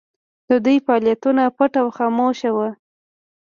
د دوی فعالیتونه پټ او خاموشه وو.